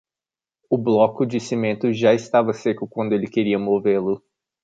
O bloco de cimento já estava seco quando ele queria movê-lo.